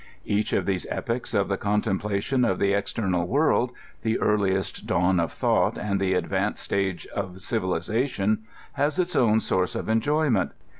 Each of these epochs of the contemplation of the external world— the earHest dawn of thought and the advancec stage of civilization — ^has its own source of enjoyment.